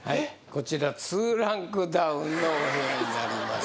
こちら２ランクダウンのお部屋になります